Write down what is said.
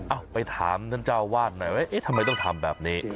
อ้าวไปถามเจ้าอาวาสหน่อยไว้ทำไมต้องทำแบบนี้